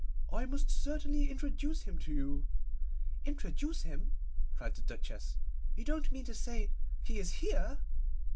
'I must certainly introduce him to you.' 'Introduce him!' cried the Duchess; 'you don't mean to say he is here?